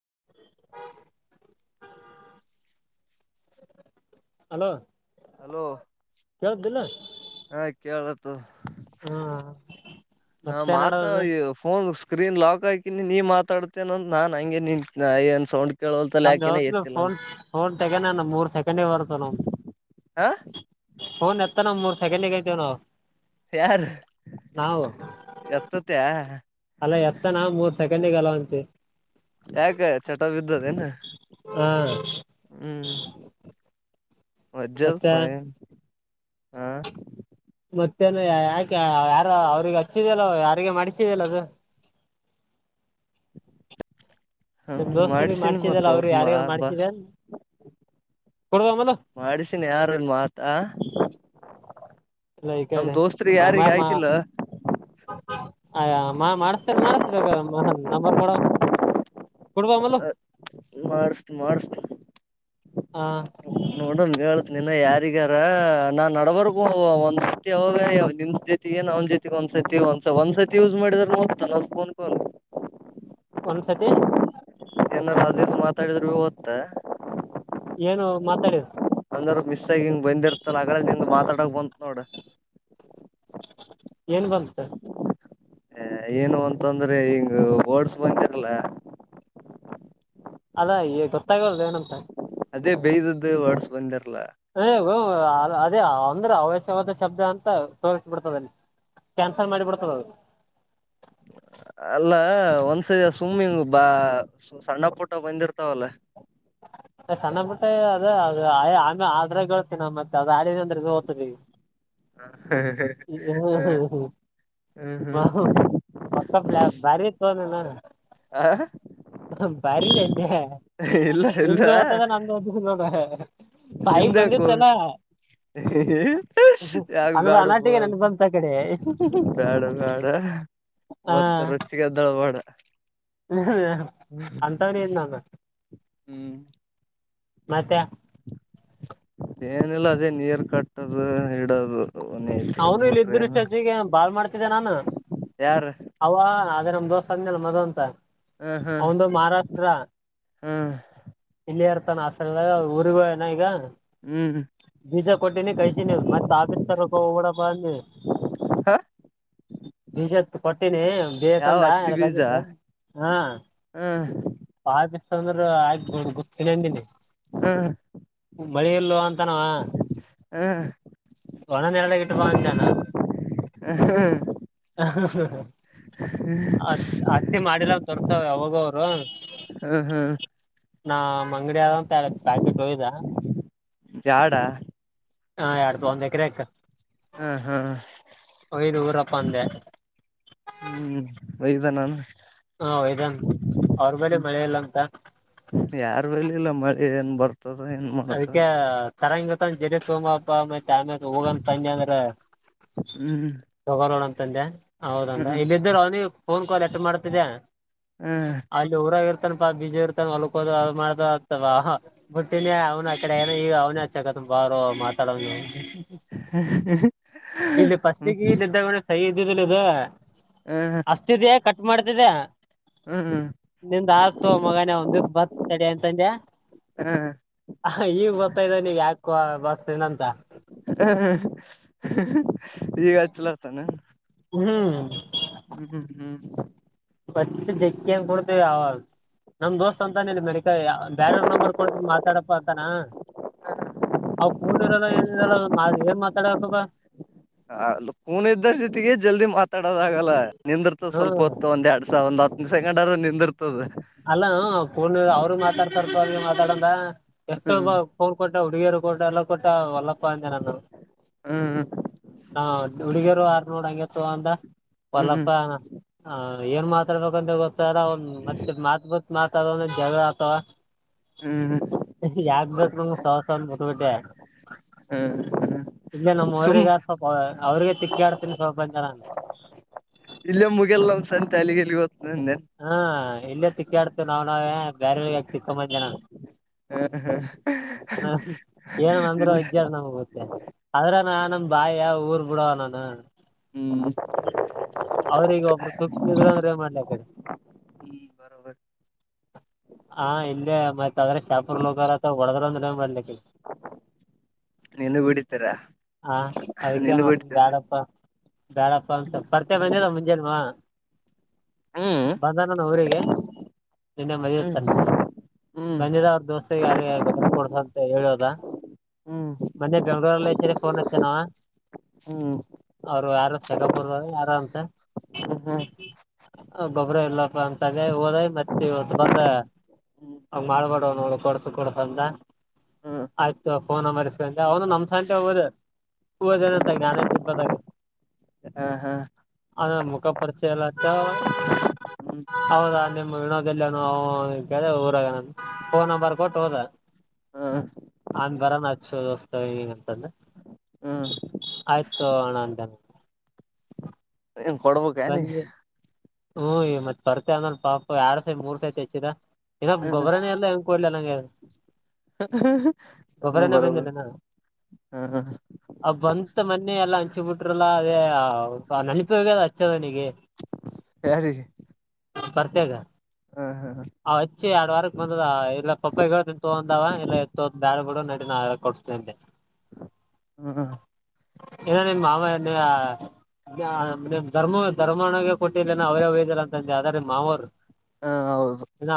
[unintelligible] Hello hello ಕೇಳ್ದಿಲ್ಲ ಹಾ ಕೇಳತು ಹಾ ನಾ ಮತ್ತೆ ಮಾತ ನಡದದು ಈ ಫೋನ್ ಸ್ಕ್ರೀನ್ ಲಾಕ್ ಹಾಕಿನಿ ನೀ ಮಾತಾಡ್ತೇನ ಅ ನಾನ್ ಹಂಗೆ ನಿ ಏನ್ ಸೌಂಡ್ ಕೇಳೋಲ್ತಲ್ಲ ನಮ್ದ ಯಾಕೆನ ಯಾವತ್ ಎತ್ತಿಲ್ಲ ಫೋನ್ ಅಂತ ಫೋನ್ ತೆಗಾನ ನಮ್ ಮೂರ್ ಸೆಕೆಂಡಿಗೆ ಬರ್ತು ನಮ ಆ ೋನ್ ಎತ್ತ ನಮ್ ಮೂರ್ ಸಕೆಲ್ಗೈಐತೆವ ನಾವು ಯಾರು ಎತ್ತತ ಅಲ್ಲ ಎತ್ತ ನ ಮೂರ್ ಸೆಕೆಂಡಗ ಅಲ್ಲವಂತ ಯಾಕ ಚಟ ಬಿದ್ದದೆನು ಹಾ ಹ್ಮ್ ಮಜ್ಜಲ್ ಪ ಮತ್ತೆ ಹಾ ಮತ್ತೇನು ಯಾಕೆ ಯಾರ ಅವ್ರಿಗೆ ಹಚ್ಚಿದಲ್ಲ ಯಾರಿಗೆ ಮಾಡಿಸಿದಲ್ಲ ಅದು ಹ ನಿಮ್ ದೋಸ್ತರಿಗೆ ಮಾಡ್ಸಿನಿ ಮತ್ತ ಮಾಡ್ಸಿದಲ್ಲ ಅವ್ರ ಅವ್ರು ಯಾರಿಗ [unintelligible] ಮಾಡ್ಸಿದ ಕೊಡುವಮಲ ಮಾಡಿಸಿನ ಯಾರಲ್ ಮಾತ ಇಲ್ಲ ಈ ನಮ್ ದೋಸ್ತ್ರಿಗೆ ಯಾರಿಗ ಕಡೆಮ್ಮ ಹಾಕಿಲ್ಲ [unintelligible] ಅಯ ಮಾ ಮಾಡಸ್ತನ್ ಮಾಡಿಸಬೇಕ ನಂಬರ್ ಕೊೂಡ ಅ ಮಾಡಸ್ ಮಾಡಸ್ ಹ ನೋಡಂ ಹೇ ನಿನ್ನ ಯಾರಿಗಾರ ನಾನ್ ನಡಬರ್ಬೋ ಒಂದ್ ಸತಿ ಅವಾಗ ನಿಮ ಜೊತೆಗೆ ನಾವ ಜೊತಿಗೆ ಒಂತ ಒಂದ್ ಸತಿ ಒಂದ್ಸ ಒಂದ್ಸತಿ ಯೂಸ್ ಮಾಡಿದ್ರ ನೋಡ್ತಾ ೋನ್ ಒಂದ್ಸತಿ ಏನಾರೂ ಅದೇ ಮಾತಾಡಿದ್ರು ಓದ್ತ್ತ ಏನು ಮಾತಾಡ್ ರು ಮಿಸ್ ಆಗಿ ಹಿಂಗ್ ಬಂದಿರ್ತಲ್ಲ ಆ ನಿ ಮಾತಾಡಕ್ ಬಂತತ್ ನೋಡ ಏನ್ ಬಂದ ಸ ಹ ಏನು ಅಂತಂದ್ರೆ ಹಿಂಗ ಬೋಡ್ಸ್ ಬಂದಿರಲ್ಲ ಅದಾ ಈ ಗೊತ್ತಾಗಲ್ದು ಏನಂತ ಅದೇ ಬೈ್ದದ ಹೊಡ್ಸ್ ಬಂದಾರ ಅ ಅದೇ ಅಂದ್ರೆ ಅವಶ್ಯವಾದ ಶಬ್ದ ಅಂತ ತೋಸ್ಬಿಡ್ತದಲ್ಲಿ ಕ್ಯಾನ್ಸಲ್ ಮಾಡಿ ಬಿಿಡ್ತದ ಅದು [unintelligible] ಅಲ್ಲ ಒಂದ್ಸರಿ ಸುಮ್ಮಿಂಗ್ ಬಾ ಸಣ್ಣ ಪುಟ ಬಂದಿರ್ತಾವಲ್ಲ [unintelligible] ಸಣ್ಣಬುಟ್ಟ ಅದ ಅದು ಆಮೆ ಆದ್ರೆ ಕೇಳ್ತೀಿನ ಮತ್ತೆ ಅದು ಆಡಿದೆ ಅಂದ್ರೆ ಇದು ಓದತವಿ [unintelligible] ಹ ಹ್ಮ್ ಹ್ಮ್ ಹ್ಮ್ ಹ್ಮ್ ಹ್ಮ್ ಹಾ ಪಕ್ಕಪ್ ಬಾರಿ ಇ ತ ಹ ಹ ಬಾರಿಅಂದ ಇಲ್ಲ ಇಲ್ಲ ನಿಮ್ದ ಓದ್ತದ ನಂದು ಓದ ನೋಡ್ರ ಬಾಯಿಗ್ ಬಂದಿತ್ತಲ್ಲ ಯಾಗ್ ಅನ್ ಬ್ಯಾಡ ಅನಾಟಿಗೆ ನನ್ ಬಂತ ಆ ಕಡೆ ಬ್ಯಾಡ ಬ್ಯಾಡ ಇತ್ತು ರುಚಿಗೆದ್ದಳಬಡ ಅಂತ ನೀನು ನಾನ ಹ್ಮ್ ಮತ್ತೆ ೇನಿಲ್ಲ ಅದೇ ನೀರ್ ಕಟ್ಟದು ಇಡದು ಅವನು ಇಲ್ಲ ಇದ್ದ್ರಷ್ಟೊತಿಗೆ ಬಾಳ್ ಮಾಡ್ತಿದ್ದೆ ನಾನು ಯಾರ ಅವ ಅೇ ನಮ್ ದೋಸ ಅ ಆದ್ೇಲ್ ಮದ ಅಂತ ಹ್ಮ ಹ್ಮ ಒಂದು ಮಹಾರಾಷ್ಟ್ರ ಇಲ್ಲಿ ಆಸ್ದಾಗ ಊರಿಗ ಏನ ಈಗ ಹ್ಮ್ ಹ್ಮ್ ಬೀಜ ಕೊಟ್ಟಿನಿ ಕೈಸಿನಿ ಮತ್ತೆ ತಾಕಿಸ್ತಾರಕ್ಕ ಡ ಪಿ ಹಾ ವಿಜತ್ ಕೊಟ್ಟಿನಿ ಯಾವ ಬೇಕಂದ ಹತ್ತಿ ಎಲ್ಲ ಬೀಜ ಬಗ್ಿದ್ದ ಹಾ ಹ್ಮ್ ಂದ್ರ ಆಗ್ಬೋಡ್ ಗೊತ್ತಳಂದನಿ ಹ್ಮ ಮಳೆಯಲ್ಲವಾ ಅಂತನವಾ ಹ್ಮ ಒಳ ನೆಲಗಟ್ಟ ಬಂದಾನ ಹ ಹ ಹ ಹ ಹ್ಮ್ ಹತ್ತತಿ ಮಾಡಿಲ್ಲ ತೋರ್ತವ ಅವಾಗವರು ಹ್ಮ್ ಹ್ಮ್ ನ ಅಂಗಡಿ ಆದಂತರ ಪ್ಯಾಕೆಟ್ ಹಯ್ದಾ ಜಾಡ ಹಾ ಎಡ್ತು ಒಂದ್ ಎಕರೆಕ ಹಾ ಹಾ ವಾಯಿ ಊರಪ್ಪ ಅಂದೆ ವದನಾನ ಹಾ ಇದನ್ ಅವ್ರ ಮೇಲೆ ಮಳೆೆಯಲ್ಲಂತ ಯಾರ ಬಲ್ಲಿ ಇಲ್ಲ ಮಳೆ ಏನ್ ಬರ್ತ ಅದಕ್ಕೆ ತರಂಗ ಮ ಜರಿ ತೋಮಪ್ಪ ಮತ್ತೆ ಆಮೇ ಹೋಗಂದ ತಂದಿ ಅಂದ್ರೆ ಹ್ಮ್ ತಗೋಂತ ತಂದೆ ಹೌದಂತ ಹ್ಮ್ ಇಲ್ಲ ಇದಿದ್ದರು ಅವನಿಗೆ ಫೋನ್ ಕಾಲ್ ಎಟ್ ಮಾಡ್ತಿದ್ದೆ ಹ್ಮ್ ಅಲ್ಲಿ ಊರಾಗಿರ್ ತನಪಾ ಬಿಜಿ ಇರ್ತಾನ ಹೊಲ್ಕೋದು ಮಾಡ್ದ ಆಗ್ತವ ಬ ಅವನ ಆ ಕಡೆ ಏನ ಈಗ ಅವ್ನ ಅಚ್ಚಕತ್ ಬಾರ ಮಾತಾಡವನ [inaudible] ಇಲ್ಲಿ ಪಸ್ಿಗೆ ಹ್ಮ್ ಇಲ್ಲ ಇದ್ದೊಂಡೆ ಸಹ ಇದು ಹ್ಮ್ ಅಸ್ತಿದ್ಯಾ ಕಟ್ ಮಾಡ್ತಿದ್ಯಾ ಹ್ಮ್ ನಿಮ್ದ ಆತು ಮಗನ ಒಂದ್ ದಿವ್ಸ ಬರ್ತದಅಂತಂದೆ ಹಾ ಹ ಈಗ್ ಗೊತ್ತಾ್ದ ನೀ ಯಾಕೂ ಬರ್ತೀನಂತ ಹಾ ಹ್ಮ್ ಹಾ [unintelligible] ಬಚ್ ಜಕ್ಕೆನ್ ಕೂಡ್ತಿವಿ [unintelligible] ನಮ್ ದೋಸ್ತ್ ಅಂತಾನ [unintelligible] ಬೇರಾರ್ ನಂಬರ್ ಕೊಟ್ ಮಾತಾಡಪ್ಪ ಅಂತಾನ. ಅವ ಪೂರ್ನ ಇರಲ್ಲ ಏನಿರಲ್ಲ ಏನ್ ಮಾತಾಡ್ಬೇಕಪ್ಪ. ಹ ಅ ಪೂನ ಇದ್ದ ಜೊತೆಗೆ ಜಲ್ದಿ ಮಾತಾಡೋದ ಆಗಲ್ಲ ನಿಂದಿರ್ತ ಸ್ವಲ್ಪ ಹ್ಮ್ ಹೊತ್ತು ಒಂದ್ ಎರಡು. ಒಂದ್ ಸೆಕಂಡ್ ಆರ ನಿಂದ್ [unintelligible] ಅಲ್ಲ ಫೋನ್ ಅವ್ರು [unintelligible] ಮಾತಾಡದ ಹ್ಮ್ ಎಷ್ಟೊಬ್ಬ ಫೋನ್ ಕೊಟ್ಟ ಹುಡುಗಿಯರು ಕೊಟ್ಟ ಎಲ್ಲ ಕೊಟ್ಟ ಹೊಲ್ಲಪ್ಪ ಅಂದೆ ನಾನು. ಹ್ಮ್ ಹ ಹುಡುಗಿಯರು ಆರ್ ನೋಡ ಹಂಗೆತಂದ ಹ್ಮ್ ಹೊಲ್ಲಪ್ಪ. ಹ್ಮ್ ಏನ್ ಮಾತಾಡ್ಬೇಕಂತ ಗೊತ್ತಲ್ಲ ಒ ಮತ್ತೆ ಮಾತ್ ಬಿತ್ ಮಾತಾಡ ಒಂದ ಜಗಳ ಆತವ. ಹ್ಮ್ ಹ್ಮ್ ಯಾಗ್ಬೇಕು ನಿಮ್ ಸವಾಸ ಅಂತ್ ಬಿಟ್ಬಿಟ್ಟೆ. ಹ್ಮ ಇಲ್ಲೇ ನಮ್ಮ್ ರಿಗೆ ಸ್ವಲ್ಪ ಅವ್ರಿಗೆ ತಿಕ್ಕಿ ಆಡ್ತೀನಿ ಸ್ವಲ್ಪ [unintelligible] ಇಲ್ಗೆ ಮುಗ್ಯಲ್ಲ ನಮ್ ಸಂತೆ ಅಲ್ಲಿಗಿಲ್- ಹಾ ಇಲ್ಲೇ ಸಿಕ್ಕಾ ಆಡ್ತೇ ನಾವ್ ನಾವೇ ಬೇರವ್ರಿಗ್ಯಾಕ್ ಸಿಕ್ಕ [unintelligible] ಹ ಹ ಹ ಏನ ಅಂದ್ರೂ ಇಲ್ಲ ವಿದ್ಯಾರ್ ನಮ್ ಆದ್ರ ನ ನಾನ ಬಾಯ ಊರ್ ಬಿಡುವ್ ನಾನು. ಹ್ಮ್ ಅವ್ರಿಗ ಒಬ್ರು ಸೂಕ್ಷ್ಮ ಇದ್ರೆ ಅಂದ್ರೆ ಮಾಡ್ಲ [unintelligible] ಹ್ಮ್ [inaudible] ಹ ಇಲ್ಲೇ ಮತ್ ಆದ್ರೆ ಶಾಪುರ್ ಲಕರ ಅಥ ಒಡದ್ರ ಅಂದ್ರ [unintelligible] [inaudible] ನಿನಗ ಹೊಡಿತಾರ ಹ ಅದಿಕ್ಕೆನ ನಿನಗ ಹೊಡಿತಾರ ಬ್ಯಾಡಪ್ಪ. ಬ್ಯಾಡಪ್ಪ [unintelligible] [unintelligible] ಹ್ಮ್ ಬಧಾನನ ಊರಿಗೆ. ನಿನ್ನೆ ಹ್ಮ್ ಬಂದಿತ್ತಂತ ಹ್ಮ್ ಹ್ಮ್ ಬಂದಿದೆ ಅವ್ರ ದೋಸ್ತಗ್ ಯಾರ್ ಯಾರ್ ಗೊ ಕೊಡ್ಸಂತ ಹೇಳೋದ ಹ್ಮ್ ಮೊನ್ನೆ ಬೆಂಗ್ಳೂರಲ್ಲೇ ಸೇರಿ ಫೋನ್ ಹಚ್ಚನವ. ಹ್ಮ ಅವ್ರು ಯಾರು ಶೆಖಾಪುರ್ ಯಾರ ಅಂತೆ. ಹ್ಮ್ ಗೊಬ್ಬ್ರ ಇಲ್ಲಪ್ಪ ಅಂತಗ ಹೋದೆ ಮತ್ ಇವತ್ ಬಂದ. ಹ್ಮ್ ಅವ ಮಾಡ್ಬಕವ್ ನೋಡು ಕೊಡ್ಸು ಕೊಡ್ಸ್ ಅಂತ. ಹ್ಮ್ ಆಯ್ತು ಫೋನ ನಂಬರ್ ಇಸ್ಕ ಅಂತ ಅವನು ನಮ್ ಸಂತೆ ಹೊ [unintelligible] ಹೂ [unintelligible] [unintelligible] ಹಾ ಹಾ ಅದ್ರ ಮುಖ ಪರಿಚಯ ಎಲ್ಲ ಆತ ಹ್ಮ್ ಹೌದ. ನಿಮ್ಮ್ ವಿನೋದದಲ್ಲಿನ ಕೆ ಊರಾಗ ಫೋನ್ ನಂಬರ್ ಕೊಟ್ಟು ಹೋದ. ಹಾ ಅನ್ ಬರಾನ್ ಹಚ್ಚ [unintelligible] ಹ್ಮ್ [unintelligible] ಆಯ್ತು ಹಣ ಅಂತನ ಏನ್ ಕೊಡ್ಬೇಕ ನೀ ಬಂದಿ ಹ್ಮ ಮತ್ತ್ ಬರ್ತೆ ಅಂದನ್ - ಎರಡ್ ಸೈಟ್ ಮೂರ್ ಸೈಟ್ ಹೆಚ್ಚಿದ ಇಗ ಗೊಬ್ಬರನ ಎಲ್ಲ ಹೆಂಗ್ ಕೊಡ್ಲ ಅನಂಗ್ [unintelligible] ಅದನ್ನು ಗೊಬ್ಬರನ ಬರೋದು ಬೆಂದಿಲ್ಲನಾ ಹಾ ಹಾ ಆ ಬಂತ ಮನ್ನೆಯ ಎಲ್ಲ. ಹಚ್ಚಿ ಬಿಟ್ರಲ್ಲ ಅದೇ ನೆನಪಾಗ ಅದ ಹಚ್ಚದನಿಗೆ. ಯಾರಿಗೆ ಬತ್ಯೇ ಗ ಹಾ ಹಾ ಅವ್ ಹಚ್ಚಿ ಎರಡ್ ವಾರಕ್ ಬಂದದ ಇಲ್ಲ ಪಪ್ಪಾಯಿಗಳು ತಿಂತ ಅಂದವ ಇಲ್ಲ ಎತ್ತು ಬ್ಯಾಡ ಬಿಡು [unintelligible] ಕೊಡ್ಸತೇಂತೆ ಹ್ಮ್ ಹಾ ಎಲ್ಲಾ ನಿಮ್ ಮಾವ [unintelligible] ಧರ್ಮ ಧರ್ಮನಗೆ ಕೊಟ್ಟಿಲ್ಲೇ ನ ಅವ್ರೇ ವಯ್ದಿಲ್ಲ ಅಂತಂದ ಆದ್ರೆ ಮಾವರು. ಹಾ ಹೌದು ಇನ್ನ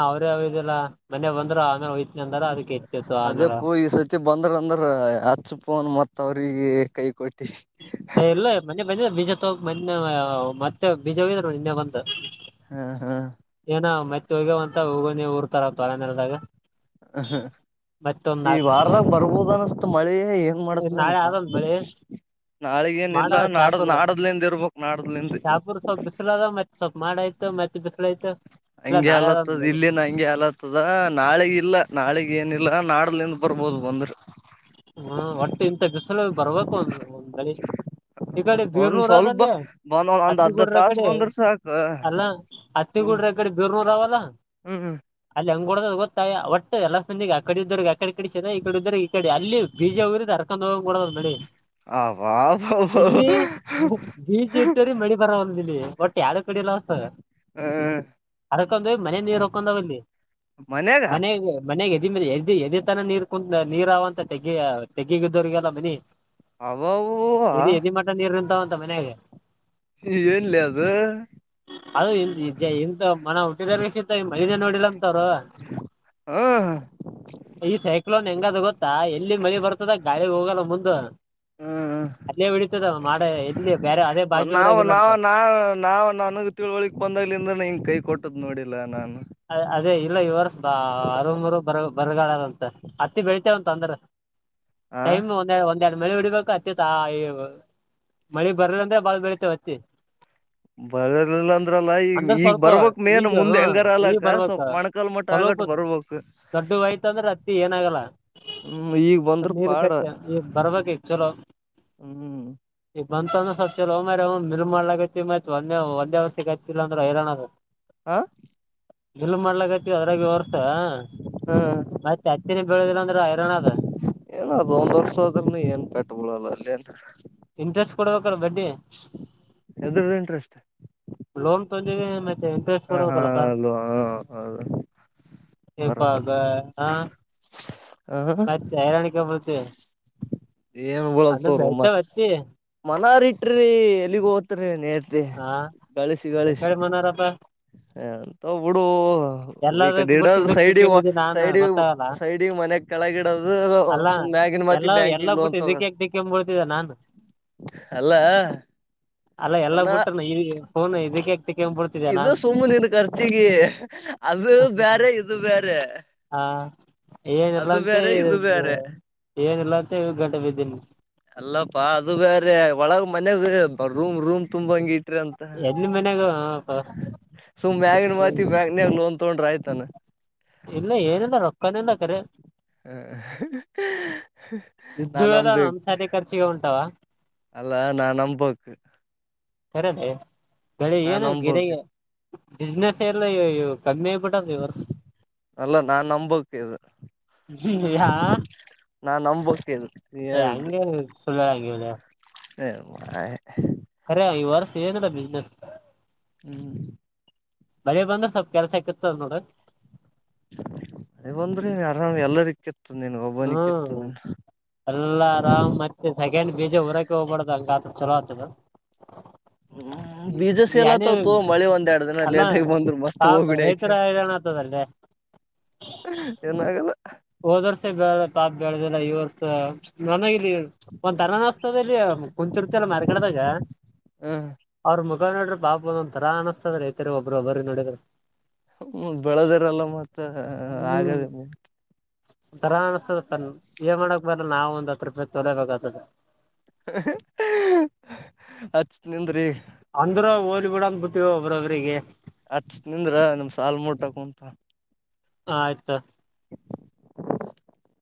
[unintelligible] ಬಂದ್ರು ಆಮೇಲೆ ಒಯ್ತೀನಿ ಅಂದಾರ ಅದಕ್ಕೆ ಎತ್ತಿತ್ತು ಅದೇ ಆಮೇಲೆ ಪೂ ಈ ಸರ್ತಿ ಬಂದ್ರ ಅಂದ್ರ ಅಚ್ಚಪೂನ್ ಮತ್ತ ಅವ್ರಿಗೆ. ಕೈ ಕೊಟ್ ಇಲ್ಲ ಮನ್ನೆ ಬಂದಿದ್ ಬೀಜ ತೋಗ ಮೊನ್ನೆ ಮತ್ತೆ ಬೀಜ ಹೈೂದ್ರು ನಿನ್ನೆ ಬಂದು, ಹಾ ಹಾ. ಹೋಗವಂತ ಹೋಗ ಊರ್ತರರಂದರದಾಗ. ಹ ಹ. ಈ ವಾರದಾಗ ನಾಕ್ ಬರ್ಬೋದ ಅನಸ್ತ ಮಳೆ ಹೆಂಗ ನಾಳೆ ಮಾಡತದೇಏನಪ್ಪಾ. ಆದಂದ್ ಮಳಿ ನಾಳಗೇನ ಮಾಡ ಇಲ್ಲಾ ನಾಡ ಚಾಪೂರ್ ನಾಡದಲಿಂದ ಇರ್ಬೇಕು. ಚಾಪೂರ್ ಸ್ವಲ್ಪ್ ಬಿಸ್ಲ ಅದ ಮತ್ತೆ ಸ್ವಲ್ಪ್ ಮಾಡಯ್ತು ಮತ್ತೆ ಬಿಸಲಾಯ್ತು. ಹಂಗೆ ಅಲತ್ತದ ಇಲ್ಲಿನ ಹಂಗೆ ಅಲತ್ತದ ನಾಳೆಗ ಇಲ್ಲಾ ನಾಳೆಗ್ ಏನಿಲ್ಲಾ ನಾಡಲ್ಲಿ ನ್. ಬರ್ಬೋದು ಬಂದ್ರಾ. ಹ್ಮ ಒಟ್ಟು ಇಂತ ಬಿಸಿಲು ಬರ್ಬೇಕು ಒಂದ ಒಂದ್ ಬಳಿ. ಈ ಕಡೆ ಒಂದ್ ಬೀರ್ನೂರ್ ಸ್ವಲ್ಪ ಅದಲ್ಲೇ ಬಂದ್ ಒಂದ್ ಒಂದ್ ಅರ್ಧ ಹತ್ತಿಗೂಡ್ರ ತಾಸ ಕಡೆ ಬಂದ್ರ ಸಾಕ ಅಲ್ಲ ಹತ್ತಿ. ಹ್ಮ್ ಡ್ರೆ ಕಡೆ ಬ ಬೀರನುರ್ ಅವೆಲ್ಲ. ಹ್ಮ್ ಹ್ಮ. ಕೊಡ ಗೊತ್ತಾ ಒಟ್ಟ ಎಲ್ಲ ಸಂದ ಆ ಕಡೆ ಇದ ಆಕಡೆ ಕಡೆ ಈ ಕಡೆ ಇದ್ರ ಈ ಕಡೆ ಅಲ್ಲಿ. ಬೀಜ ಊರಿದ ಹರ್ಕೊಂಡ್ ಹೋಗ್ಡದ್ ನಡಿ. ಅಬ್ಬಾಬಾಬಾ ಇಲ್ಲಿ ಬೀಜ ಇತವರಿ ಮಳಿ ಬರವಲ್ಲ ಇಲ್ಲಿ. ಎಡು ಕಡೆಲ್ಲ ಹೊತ. [unintelligible] ಹ ಅರಕ ಮನೆ ನೀರ್ ಹಕೊಂಡಾವ ಅಲ್ಲಿ ಮನ್ಯಾಗ ಮನೆ ಮನೆಗೆ. ಮೇಲೆ ಎದ ತನ ನೀರ್ ಕುತ್ ನೀರ್ಂತ ತೆಗ ತೆೆಗೆಗ ದೊರಗಲ್ಲ ಮನಿ. ಅಬ್ಬಾಬಾಬಾ ಎದಿ ಎದಿ ಮಠ ನೀರು ನಿಂತಾವ ಅಂತ ಮನ್ಯಾಗೆ. ಏನ್ಲೆ ಅದು. ಅದು ಇ ಎಂತ ಮನ ಹುಟ್ಟಿದಾರ ಸಿತ ಮೈದೇ ನೋಡಿಲ್ಲ ಅಂತವ್ರು. ಹ್ಮ. ಈ ಸೈಕ್ಲೋನ್ ಹೆಂಗಾದ ಗೊತ್ತಾ ಎಲ್ಲಿ ಮಳಿ ಬರ್ತದ ಗಾಳಿಗೆ ಹೋಗಲ್ಲ ಮುಂದ. ಹ್ಮ್ ಅಲ್ಲ ಬಿಡಿತದ ಮಾಡ ಇಲ್ಲಿ ಬೇ ನಾವು ನಾವ ನಾ ನಾವವು ನನಗ ತಿಳುವಳಿಕ್ ಬಂದ್ಲಂದ್ರೆ ಹಂಗ ಕೈ ಕೊಟ್ಟದ್ ನೋಡಿ. ಲ್ಲನನ್. ಅ ಅದೇ ಇಲ್ಲ ಈ ವರ್ಷ ಅರ ಮೂರು ಬರ ಬರಗಾಳಾರಂತ ಹತ್ತಿ ಬೆಳ್ತೆವಂತ ಅಂದ್ರೆ. ಆ ಟೈಮ್ ಒಂದ ಒಂದ. ಮಳಿ ಉಡಿಬೇಕು ಅತ್ತಿ ತ ಮಳಿ ಬರ ಅಂದ್ರೆ ಬಾಳ ಬೆಳತೇವ ಅತ್ತಿ. ಬರೋದಿಲ್ಲ ಅಂದ್ರಲ್ಲ ಈಗ ಈಗ ಸ್ವಲ್ಪ ಬರ್ವಕ್ ಮೇನ್ ಈಗ ಮುಂದೆ ಹ ಹೆಂಗಾರ ಅಲ್ಲ. ಈಗ ಬರ್ಬೇಕ ಸ್ವಲ್ಪ ದೊಡ್ಡವಾಯ್ತ ಅಂದ್ರೆ ಅತ್ತಿ ಏನಾಗಲ್ಲ. ಹ್ಮ್ ಈಗ ಬಂದ್ರ ನೀರ್ ಪಾಡ ಕಟ್ಟ ಈ ಬರ್ಬೇಕ ಚಲೋ. ಹ್ಮ್ ಮಂತಂದ್ರ ಸ್ವ ಚಲ ಮ ಮಲ್ ಮಾಡಲ ಆಗತ್ತತಿ ಮತ್ತತ್ ಒಂದೇ ಒಂದೇವ ಸಿಗತಿಲ್ಲ ಅಂದ್ರೆ ಹೈರಾಣ ಆಗೆ. ಹಾ. ಎಲ್ ಮಾಡ್ಲಕತಿವಿ ಅದ್ರಾಗಿ ಹೊರ್ಸ. ಹ ಮತ್ತೆ ಹತ್ತಿನಿ ಬೆಳದಿಲ್ಲ ಅಂದ್ರೆ ಐರೋನ್ದ. ಏನ ಅದ ಒಂದ್ ವರ್ಷ ಆದ್ರನು ಏನ್ ಪಟ್ಬಿಳಲ್ಲ ಅಲ್ಲನ್. ಇಂಟ್ರೆಸ್ಟ್ ಕೊಡ್ಬೇಕ ಬಡ್ಡಿ. ಎದ್ರ್ದ ಇಂಟ್ರೆಸ್ಟ್. ಲೋನ್ ತ. [unintelligible] ಹ ಹಾ ಅಲ್ವಾ ಹ ಹೌದು. [unintelligible] ಬರೋಬರ್ ಇಪಗ ಹ ಹಾ ಹತ್ತ ಐರಾಣಿಕ ಬತೆ. [unintelligible] ಏನ್ ಬಳಲ್ತ ರ ಮ ಹತ್ತಿ ಮನವರಿ ಇಟ್ರಿ ಎಲ್ಲಿಗ ಹೋತ. [unintelligible] ಅ ನೇತೆ ಹಾ ಗಳಿಸಿಗಳಿಸಿ. ಎಕಡೆ [unintelligible] ಮನೋರಪ್ಪ ಹ ಅಂತ ಬಿಡು ಈ ಎಲ್ಲದಕ್ ಕಡ ಬಿಟ್ಟು ಇದಕ್ ಸೈಡಿ ತಿಕ್ಕೊಂಡಿದ್ದಿ ನಾನ್ ಸೈಡಿ ಗೊತ್ತಾಗಲ್ಲ ಸೈಡಿ ಮನೆ. ಕೆಳಗಿಡದು ಅಲ್ಲಾ ಸುಗಿನ ಮೆ. [unintelligible] ಎಲ್ಲಾ ಬ್ಯಾಂಕಿಗೆ ಎಲ್ಲಾ ಲೋನ್ ಬಿಟ್ಟು ಇದಕ್ಕೆ ತಗೋದು ಯಾಕ್ ತಿಕ್ಕೊಂಬಿಡ್ತಿದ್ದೆ ನಾನು ಅಲ್ಲ. ಅಲ್ಲ ಎಲ್ಲ ಮನ ಬಿಟ್ಟ. ಇದು ನಾನು ಸುಮ್ಮು ನೀನು ಖರ್ಚಿಗೆ ಅದು ಬೇರೆ. ಇದು ಬ್ಯಾರೆ. ಹಾ ಏನಲ್ಲಂತ [unintelligible] ಎಲ್ಲಪ್ಪಾ ಅದು ಬೇರೆ ಒಳಗ ಮ [unintelligible] ರೂಮ್ ರೂಮ್ ತುಂಬಾ ಹಂಗಿ [unintelligible] ಅಂತ ಎಲ್ಲಿ ಮನ್ಯಾಗ ಪ- ಸುನ್ನೆ ಇ- ಮ್ಯಗ್ಲಿನ್ಮಾತಿಗೆ ಬ್ಯಾಂಕ್ಯಾಗ ಲೋನ್ ತಗೊಂಡ್ರೆ ಆಯ್ತ ಇಲ್ಲ ಏನಿಲ್ಲ ರೊಕ್ಕನಿಲ್ಲ ಕರೆ [unintelligible] ಇದ್ದು ನಾನ್ ಎಲ್ಲ ನಂಬಬೇಕ್ ನಮ್ ಸಾರಿ ಖರ್ಚಿಗೆ ಉಂಟವ ಅಲ್ಲಾ ನಾ ನಂಬೋಕ್ಕೆ [unintelligible] ಸರಿೇ ಬೇ ಬೆಳ ಏನು ಗಿರಿ ನಂಬಕ್ ಬಿಸ್ನೆಸ್ ಎಲ್ಲ [unintelligible] ಕಮ್ಮಿ ಆಗಪಟ್ಟ ವರ್ಸ್ [unintelligible] ಅಲ್ಲ ನಾ [unintelligible] ನಂಬಕ್ ಇದು ನಾ ನಂಬಕ್ ಇದು ಹೇಳಿದ್ದು ಅಂಗೆನಿಲ್ಲ ಸುಳ್ಳೆಳಗಿಂಗಿಲ್ಲ ಹೇಳ್. [unintelligible] ಕರೆ ಈ ವರ್ಷ ಏನದ ಬಿಸ್ನೆಸ್ [unintelligible] ಹ್ಮ್ [inaudible] ಬಳಿ ಬಂದ್ರೆ ಸ್ವಲ್ಪ ಕೆಲ್ಸ ಇಕ್ಕತ್ದ ನೋಡ್ರ [unintelligible] ಅದ ಬಂದ್ರಿ ಆರಾಮ್ ಎಲ್ಲರಿಕ್ಕೆ [unintelligible] ಹ್ಮ್ ಎಲ್ಲ ಆರಾಮ್ ಮತ್ತೆ ಸ [unintelligible] ಹೇನ್ ಬೀಜ ಹೊರೆ ಹೋಗ್ಬಾರಡ್ದ್ ಹಂಗ ಆತ ಚಲೋ ಆಗ್ತದ. ಹ್ಮ್ ಬೀಜಸ ಎಲ್ಲತತ ಮಳಿ ಒಂದ್ ಎರಡು ದಿನ ಅಲ್ಲಾ ಲೇಟ ಆಗಿ ಬಂದ್ರು ಮಸ್ತ್ ಪಾಪ ಹೋಗ್ಬಿಡಿ ರೈತರ ಆಯ್ಕ ಹೈರಾಣ ಆತದಲ್ಲಿ [unintelligible] ಏನಾಗಲ್ಲ ಹೋದ್ ವರ್ಷ ನನಗೆ ಇಲ್ಲಿ ಒಂದ ತರನಾಸ್ತ ಇಲ್ಲಿ ಕುಂತುರುತಿ ಎಲ್ಲ ಮಾರ್ಗಡೆದಾಗ. ಹ್ಮ್ ನೋಡ್ರಿ ಬಾಬಂದ ಒಂದ ತರ ಅನಸ್ತದ ರ ಐತರಿ ಒಬ್ಬರುಬ್ಬರು ನೋಡಿದ್ರ [unintelligible] ಹ್ಮ ಬೆಳದಿರಲ್ಲ ಮತ್ತ ಆಗದೆೇ ಬರ ಅನ್ಸದಪ್ಪ ಏ ಮಾಡಕ್ ಬಾರ್ರ ನಾವವು ಒಂದ್ [unintelligible] ಹತ್ತು ರೂಪಾಯಿ ತೊಲಬೇಕತದ ಹಚ್ ನಿಂದ್ರಿ ಅಂದ್ರ ಹೋಲಿ ಬಿಡ ಬಿಟ್ಟಿವವ ಒಬ್ಬ್ರೊಬ್ರಿಗೆ ಅವ್ರರಿಗೆ ಹತ್ತ್ ನಿಂದ್ರ ನಿಮ್ ಸಾಾಲ ಮೂಟಕ ಅಂತ [unintelligible] ಹ ಆಯ್ತಾ [inaudible]